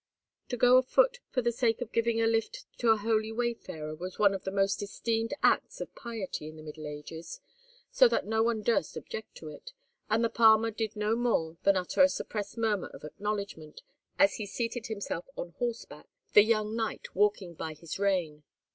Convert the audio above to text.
To go afoot for the sake of giving a lift to a holy wayfarer was one of the most esteemed acts of piety of the Middle Age, so that no one durst object to it, and the palmer did no more than utter a suppressed murmur of acknowledgment as he seated himself on horseback, the young knight walking by his rein.